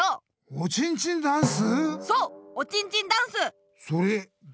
「おちんちんダンス」